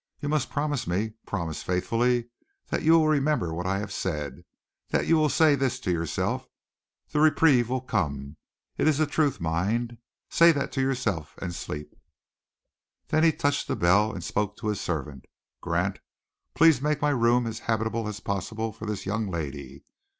You must promise me, promise faithfully, that you will remember what I have said, that you will say this to yourself: 'The reprieve will come!' It is the truth, mind. Say that to yourself and sleep." Then he touched the bell and spoke to his servant. "Grant, please make my room as habitable as possible for this young lady.